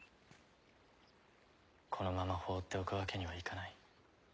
このまま放っておくわけにはいかない。